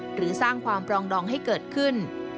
หรือสร้างความปรองดองให้เกิดขึ้น